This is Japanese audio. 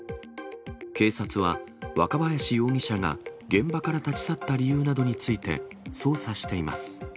警察は、若林容疑者が現場から立ち去った理由などについて捜査しています。